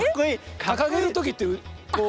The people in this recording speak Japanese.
掲げる時ってこう。